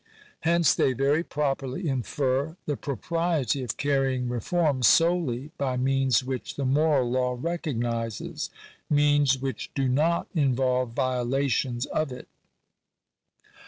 Hence they very properly infer the propriety of carrying reforms solely by means which the moral law recognises means which do not involve violations of it.